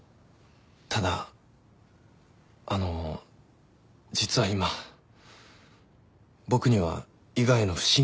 ただあの実は今僕には伊賀への不信感があって。